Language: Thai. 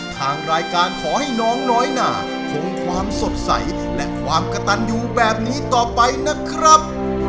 ทางรายการขอให้น้องน้อยหนาคงความสดใสและความกระตันอยู่แบบนี้ต่อไปนะครับ